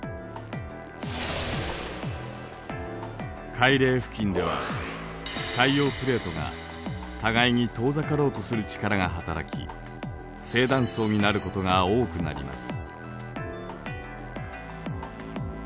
海嶺付近では海洋プレートが互いに遠ざかろうとする力が働き「正断層」になることが多くなります。